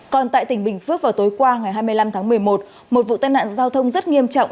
còn tại tỉnh bình phước vào tối qua ngày hai mươi năm tháng một mươi một một vụ tai nạn giao thông rất nghiêm trọng